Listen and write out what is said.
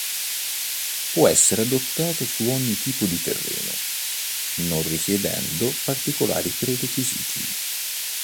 Può essere adottato su ogni tipo di terreno, non richiedendo particolari prerequisiti.